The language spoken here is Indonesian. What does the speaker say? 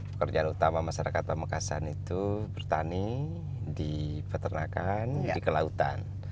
pekerjaan utama masyarakat pamekasan itu bertani di peternakan di kelautan